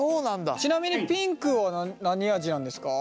ちなみにピンクは何味なんですか？